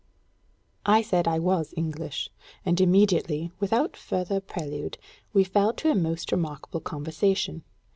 I said I was English, and immediately, without further prelude, we fell to a most remarkable conversation.